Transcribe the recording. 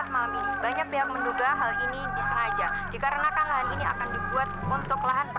sampai jumpa di video selanjutnya